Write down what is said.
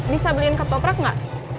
bisa beliin ketoprak gak